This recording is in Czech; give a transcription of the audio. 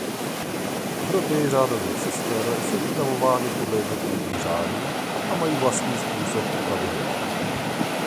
Hroby řádových sester jsou uspořádány podle jednotlivých řádů a mají vlastní způsob úpravy hrobů.